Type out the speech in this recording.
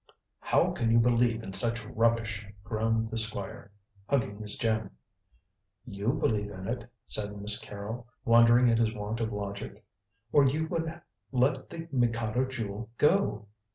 "How can you believe in such rubbish!" groaned the Squire, hugging his gem. "You believe in it," said Miss Carrol, wondering at his want of logic, "or you would let the Mikado Jewel go."